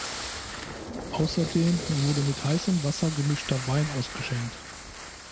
Außerdem wurde mit heißem Wasser gemischter Wein ausgeschenkt.